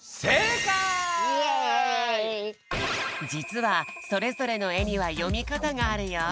じつはそれぞれの絵にはよみかたがあるよ。